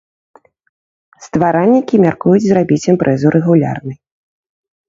Стваральнікі мяркуюць зрабіць імпрэзу рэгулярнай.